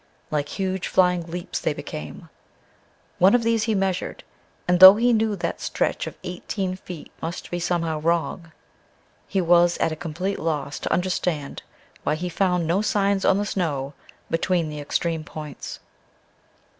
Like huge flying leaps they became. One of these he measured, and though he knew that "stretch" of eighteen feet must be somehow wrong, he was at a complete loss to understand why he found no signs on the snow between the extreme points.